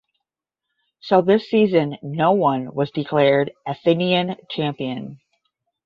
So this season no one was declared Athenian champion.